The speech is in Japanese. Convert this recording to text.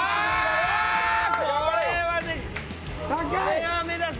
これは目立つ。